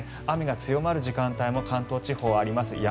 雨が強まる時間帯も関東地方、あります。